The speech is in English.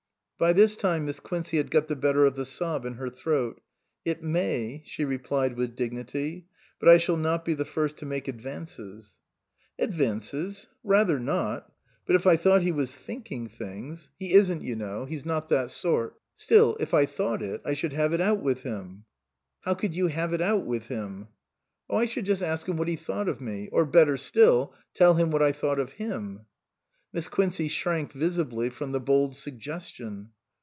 By this time Miss Quincey had got the better of the sob in her throat. " It may," she replied with dignity ;" but I shall not be the first to make advances." " Advances? Rather not. But if I thought he was thinking things he isn't, you know, he's T i n 286 A PAINFUL MISUNDERSTANDING not that sort ; still, if I thought it I should have it out with him." " How could you have it * out with him '?"" Oh I should just ask him what he thought of me ; or better still, tell him what I thought of him." Miss Quincey shrank visibly from the bold suggestion.